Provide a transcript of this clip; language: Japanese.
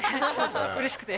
うれしくて。